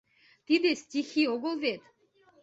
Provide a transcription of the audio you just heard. Тиде «стихи» огыл вет.